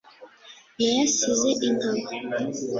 nayasize inkaba